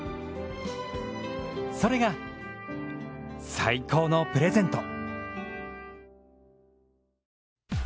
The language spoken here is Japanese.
それが最高のプレゼント。